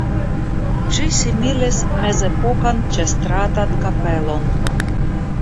Ĝi similis mezepokan ĉestratan kapelon.